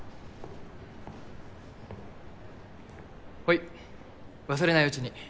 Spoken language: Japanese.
ほい忘れないうちに。